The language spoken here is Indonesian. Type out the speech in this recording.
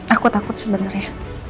aku takut sebenernya